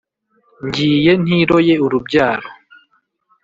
ngiye ntiroye urubyaro